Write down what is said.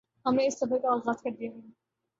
ہم نے اس سفر کا آغاز کردیا ہے